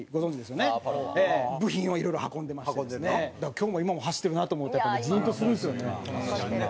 今日も今も走ってるなと思うとやっぱジーンとするんですよね。